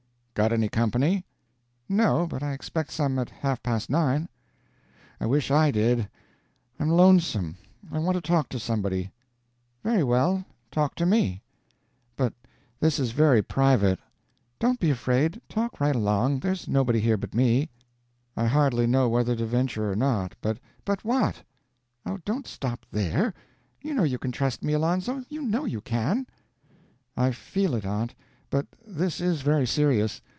"Got any company?" "No, but I expect some at half past nine." "I wish I did. I'm lonesome. I want to talk to somebody." "Very well, talk to me." "But this is very private." "Don't be afraid talk right along, there's nobody here but me." "I hardly know whether to venture or not, but " "But what? Oh, don't stop there! You know you can trust me, Alonzo you know, you can." "I feel it, aunt, but this is very serious.